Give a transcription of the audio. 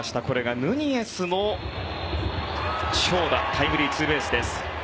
これがヌニエスの長打タイムリーツーベースです。